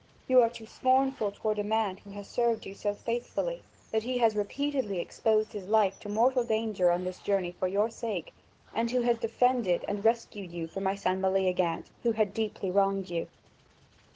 You are too scornful toward a man who has served you so faithfully that he has repeatedly exposed his life to mortal danger on this journey for your sake, and who has defended and rescued you from my son Meleagant who had deeply wronged you."